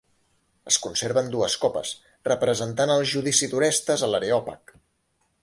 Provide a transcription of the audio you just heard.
Es conserven dues copes, representant el judici d'Orestes a l'Areòpag.